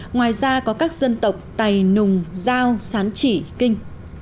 ngoài ra có các dân tộc tày nùng giao sán chỉ kinh